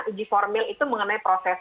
uji formil itu mengenai proses